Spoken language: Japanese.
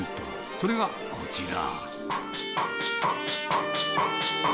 それがこちら。